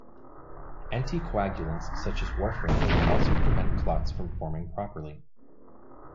Anticoagulants such as warfarin will also prevent clots from forming properly.